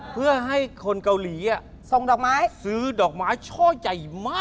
เพื่อให้คนเกาหลี